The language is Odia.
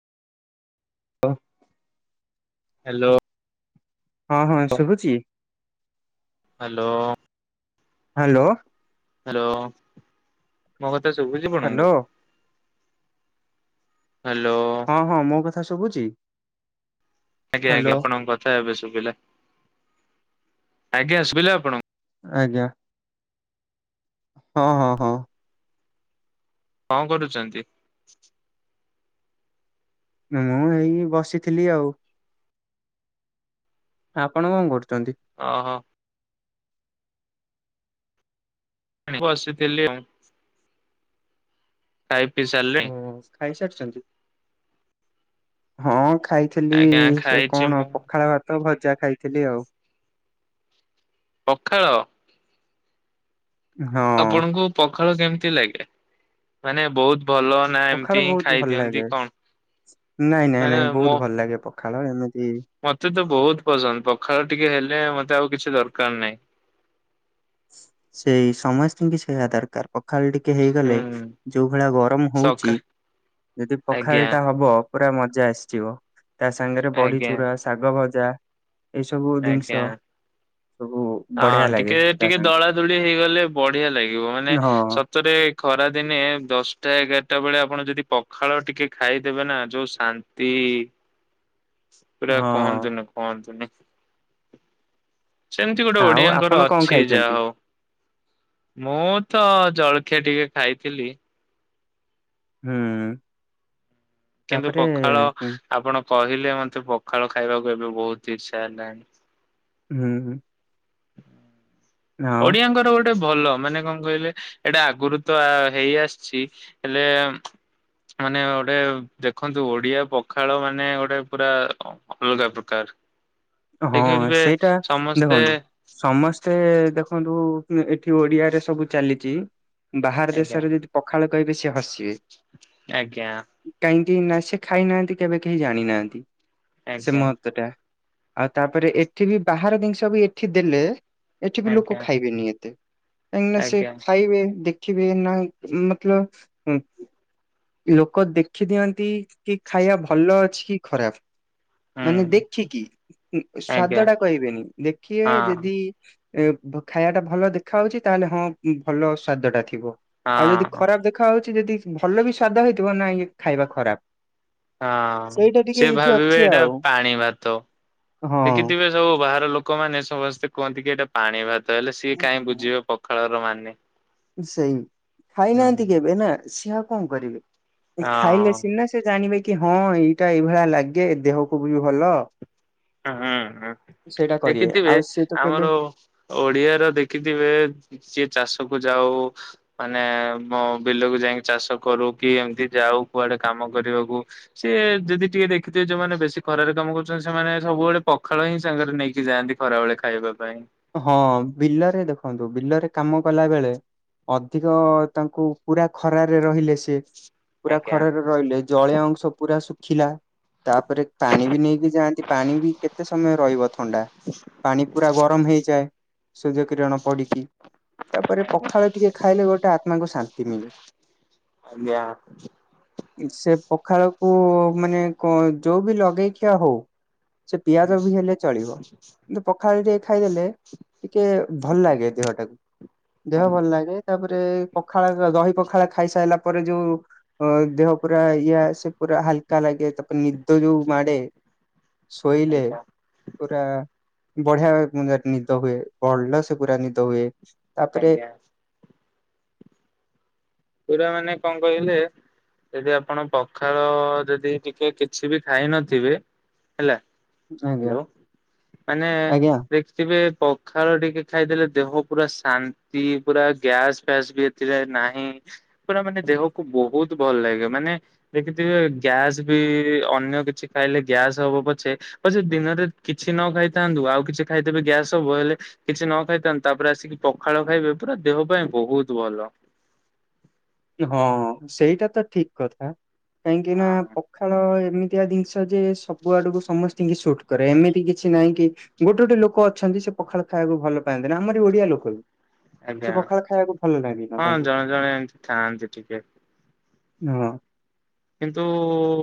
ଓ। ହାଲୋ। ହଁ ହଁ ଶୁବୁଚି? ହାଲୋ। ହାଲୋ। ହାଲୋ ମୋ କଥା ସୁବୁଚି ହ୍ୟାଲୋ ଆପଣଙ୍କୁୁ? ହାଲୋ। ହଁ ହଁ ମୋ କଥା ସବୁଚି? ଆଜ୍ଞା ଆଜ୍ଞା ଆପଣଙ୍କ କଥା ଏବେ ସୁବିଲା ଆଜ୍ଞା ସୁବିଲା ଆପଣଙ୍କୁ ଆଜ୍ଞା। ହଁ ହଁ ହଁ। କଣ କରୁଚନ୍ତି? ମୁଁ ଏଇ ବସିଥିଲି ଆଉ। ଆପଣ କଣ କରୁ ଅହ। ବସିଥିଲି ଆଉ। ଖାଇ ପିଇ ସାରିଲେଣି? ଓ ଖାଇସାରିଚନ୍ତି ହଁ ଖାଇଥିଲି ଆଜ୍ଞା ସେ ଖାଇଛି କଣ ମୁଁ ପଖାଳ ଭାତ ଭଜା ଖାଇଥିଲି ଆଉ। ପଖାଳ। ହଁ ଆପଣଙ୍କୁ ପଖାଳ କେମତି ଲାଗେ ମାନେ ବହୁତ ଭଲ ନା ଏମିତି ପଖାଳ ହିଁ ବହୁତ ଖାଇ ଭଲ ଦିଅନ୍ତି ଲାଗେ କଣ? ନାଇଁ ନାଇଁ ମାନେ ନାଇଁ ମୋ ବହୁତ ଭଲ ଲାଗେ ପଖାଳ ଏମିତ ମତେ ତ ବହୁତ ପସନ୍ଦ ପଖାଳ ଟିକେ ହେଲେ ମତେ ଆଉ କିଛି ଦରକାର ନାହିଁ। ସେଇ ସମସ୍ତିଙ୍କି ସେୟା ଦରକାର ପଖାଳ ଟି କେ ହେଇଗଲେ ହୁଁ ଯୋଉ ଭଳିଆ ଗରମ ହଉଚି ସକା ଯଦି ପଖାଳ ଆଜ୍ଞା ଟା ହବ। ପୁରା ମଜା ଆସିଯିବ ତା ସାଙ୍ଗରେ ବଢ଼ି ଆଜ୍ଞା ଚୁରା, ଶାଗ ଭଜା। ଏଇ ସବୁ ଜିନିଷ ଆଜ୍ଞା। ସବୁ ହଁ ବଢିଆ ଲାଗେ। ଟିକେ ତା ଟିକେ ଦଳା ସାଙ୍ଗକୁ ଦୁଳି ହେଇଗଲେ ବଢିଆ ଲାଗିବ ମାନେ ହଁ ସତରେ ଖରା ଦିନେ ଦଶଟା ଏଗା ଟା ବେଳେ ଆପଣ ଯଦି ପଖାଳ ଟିକେ ଖାଇଦେବେ ନା ଯୋଉ ଶାନ୍ତି। ପୁରା ହଁ କହନ୍ତୁନି କହନ୍ତୁନି। ସେମତି ଗୋଟେ ଆଉ ଆପଣ ଓଡିଆଙ୍କର କଣ ଅଛି ଯାହା ଖାଇଛନ୍ତି? ହଉ ମୁଁ ତ ଜଳ ଖିଆ ଟିକେ ଖାଇଥିଲି। ହୁଁ ଉଁ। କିନ୍ତୁ ପଖାଳ ଆପଣ କହିଲେ ମତେ ପଖାଳ ଖାଇବାକୁ ଏବେ ବହୁତ ଇଚ୍ଛା ହେଲାଣି। ହୁଁ ହୁଁ । ଓଡିଆଙ୍କର ଗୋ ଟେ ଭଲ ମାନେ କଅଁ କଇଲେ ଏଇଟା ଆଗରୁ ତ ହେଇ ଆସିଚି ହେଲେ ମାନେ ଗୋଟେ ଦେଖନ୍ତୁ ଓଡିଆ ପଖାଳ ମାନେ ଗୋଟେ ପୁରା ଅଲଗା ପ୍ରକାର। ହଁ ଦେଖିବେ ସେଇଟା ସମସ୍ତେ ଦେଖନ୍ତୁ ସମସ୍ତେ ଦେ ଦେଖନ୍ତୁ ଏଠି ଓଡିଆରେ ସବୁ ଚାଲିଚି ବାହାର ଆଜ୍ଞା ଦେଶରେ ଯଦି ପଖାଳ କଇବେ ସିଏ ହସିିବେ। ଆଜ୍ଞା। କି ନାଇଁ ସେ ଖାଇନାହାନ୍ତି କେବେ କେହି ଜାଣିନାହାନ୍ତି ସେ ଆଜ୍ଞା ମହତ୍ୱଟା। ଆଉ ତାପରେ ଏଠି ବି ବାହାର ଜିନିଷ ବି ଏଠି ଦେଲେ ଏଠି ବି ଆଜ୍ଞା ଲୋକ ଖାଇବେନି ଏତେ। କାହିଁକି ନା ସେ ଆଜ୍ଞା ଖାଇବେ ଦେଖିବେ ନାଇଁ ମତଲବ ଲୋକ ଦେଖି ଦିଅନ୍ତି କି ଖାଇବା ଭଲ ଅଛି କି ଖରାପ। ମାନେ ହୁଁ ଦେଖିକି ଆଜ୍ଞା ସ୍ଵାଦଟା କହିବେନି ଦେଖିବେ ହଁ ଯଦି ଏ ଖାଇବାଟା ଭଲ ଦେଖାହଉଛି ତାହେଲେ ହଁ ଭଲ ସ୍ଵାଦ ଟା ଥିବ। ଆଉ ଯଦି ହଁ ଖରାପ ଦେଖାହଉଛି ଯଦି ଭଲ ବି ସ୍ଵାଦ ହେଇଥିବ ନାଇଁ ଏ ଖାଇବା ଖରାପ। ହଁ ସେଇଟା ଟିକେ ସେ ଏଇଠି ଭାବିବେ ଅଛି ଏଇଟା ଆଉ। ପାଣି ଭାତ। ହଁ। ଦେଖିଥିବେ ସବୁ ବାହାର ଲୋକ ଲୋକମାନୋନ ସମସ୍ତେ କୁହନ୍ତି କି ଏଇଟା ପାଣି ଭାତ ହେଲେ ସିଏ କାଇଁ ହଁ। ବୁଝିବେ ପଖାଳର ମାନେ। ସେଇ ହୁଁ ଖାଇନାହାନ୍ତି କେବେ ନା ସିଏ ଆଉ କଣ କରିବେ? ମୁଁ କହିଲି ଖାଇଲେ ସିନା ହଁ ସେ ଜାଣିବେ କି ହଁ ଏଇଟା ଏଇ ଭଳିଆ ଲାଗେ ଦେହକୁ ବି ଭଲ। ହୁଁ ହୁଁ ସେଇଟା କରିବେ ଦେଖିଥିବେ, ଆଉ ସିଏ ତ କେବେ ଆମର ଓଡିଆର ଦେଖିଥିବ ସିଏ ଚାଷ କୁ ଯାଉ ମାନେ ମୋ ବିଲକୁ ଯାଇଁକି ଚାଷ କରୁ କି ଏମତି ଯାଉ କୁଆଡେ କାମ କାମ କରିବାକୁ ସିଏ ଯଦି ଟିକେ ଦେଖିଥିବେ, ଯୋଉମାନେ ବେଶୀ ଖରାରେ କାମ କରୁଛନ୍ତି ସେମାନେ ସବୁବେଳେ ପଖାଳ ହିଁ ସାଙ୍ଗରେ ନେଇକି ଯାଆନ୍ତି ଖରାବେଳେ ଖାଇବାକୁ। ହଁ ବିଲରେ ଦେଖନ୍ତୁ, ବିଲରେ କାମ କଲା ବେଳେ ଅଧିକ ତାଙ୍କୁ ପୁରା ଖରରେ ରହିଲେ ସିଏ ପୁରା ଆଜ୍ଞା ଖରାରେ ରହିଲେ ଜଲୀୟ ଅଂଶ ପୁରା ଶୁଖିଲା। ତାପରେ ପାଣି ବି ନେଇକି ଯାଆନ୍ତି ପାଣି ବି କେତେ ସମୟ ରହିବ ଥଣ୍ଡା। ପାଣି ପୁରା ଗରମ ହେଇଯାଏ ସୂର୍ଯ୍ୟ କିରଣ ପଡିକି ତାପରେ ପଖାଳ ଟିକେ ଖାଇଲେ ଗୋଟେ ଆତ୍ମାକୁ ଶାନ୍ତି ମିଳେ। ଆଜ୍ଞା। ସେ ପଖାଳକୁ ମାନେ କଁ ଯୋଉ ବି ଲଗେଇ ଖିଆ ହଉ ସେ ପିଆଜ ବି ହେଲେ ଚଳିବ କିନ୍ତୁ ପଖାଳ ଟିକେ ଖାଇଦେଲେ ଟିକେ ଭଲ ଲାଗେ ଦେହଟାକୁ ଦେହ ଭଲ ଆଜ୍ଞା ଲାଗେ ତାପରେ ପଖାଳ ଦହି ପଖାଳ ଖାଇସାଇଲା ପରେ ଯୋଉ ଅ ଦେହ ପୁରା ଇଏ ଆସେ ପୁରା ହାଲକା ଲାଗେ। ତାପରେ ନିଦ ଯୋଉ ମାଡେ ଶୋଇଲେ ପୁରା ବଢିଆ ନିଦ ହୁଏ ଭଲସେ ପୁରା ନିଦ ହୁଏ। ତାପରେ ଆଜ୍ଞା। ପୁରା ମାନେ କଣ କହିଲେ? ଯଦି ଆପଣ ପଖାଳ ଯଦି ଟିକେ କିଛି ବି ଖାଇ ନଥିବେ ହେଲା ଆଜ୍ଞା ହାଲୋ ମାନେ ଆଜ୍ଞା। ଦେଖିଥିବେ ପଖାଳ ଟିକେ ଖାଇଦେଲେ ଦେହ ପୁରା ଶାନ୍ତି ପୁରା ଗ୍ୟାସ ଫ୍ୟାସ ବି ଏଥିରେ ନାହିଁ। ପୁରା ମାନେ ଦେହକୁ ବହୁତ ଭଲ ଲାଗେ ମାନେ ଦେଖିଥିବେ ଗ୍ୟାସ ବି ଅନ୍ୟ କିଛି ଖାଇଲେ ଗ୍ୟାସ୍ ହବ ପଛେ ପଛେ ଦିନରେ କିଛି ନ ଖାଇଥାନ୍ତୁ ଆଉ କିଛି ଖାଇଦେବେ ଗ୍ୟାସ ହବ ହେଲେ କିଛି ନ ଖାଇଥାଆନ୍ତୁ ତା ତାପରେ ଆସିକି ପଖାଳ ଖାଇବେ ପୁରା ଦେହ ପାଇଁ ବହୁତ ଭଲ। ହଁ ସେଇଟା ତ ଠିକ କଥା। କାହିଁକି ନା, ହଁ ପଖାଳ ଏମିତିଆ ଦିନିଷ ଯେ ସବୁ ଆଡକୁ ସମସ୍ତିଙ୍କି ସୁଟ୍ କରେ ଏମିତି କିଛି କି ନାହିଁ କି ଗୋଟେ ଗୋଟେ ଲୋକ ଅଛନ୍ତି ସେ ପଖାଳ ଖାଇବାକୁ ଭଲ ପାଆନ୍ତିନି ଆମର ଓଡିଆ ଲୋକ ବି ସେ ଆଜ୍ଞା ପଖାଳ ଖାଇବାକୁ ଭଲ ଲାଗିନା ତାଙ୍କୁ। ଥାନ୍ତି ଟିକେ ହଁ। କିନ୍ତୁ